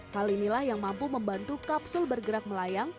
hal inilah yang mampu membantu kapsul bergerak melayang